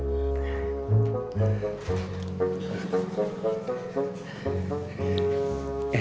udah satu jam